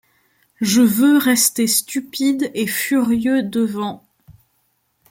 Je veux rester stupide et furieux devant